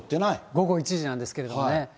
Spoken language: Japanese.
午後１時なんですけれどもね。